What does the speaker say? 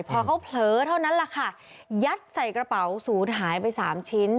พอเขาเผลอเท่านั้นแหละค่ะยัดใส่กระเป๋าศูนย์หายไปสามชิ้น